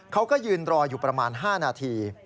เขาก็ยืนรออยู่ประมาณ๕นาที